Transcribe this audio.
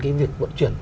cái việc vận chuyển